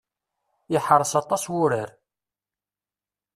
Iḥreṣ aṭas wurar.